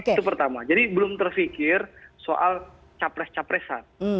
itu pertama jadi belum terfikir soal capres capresan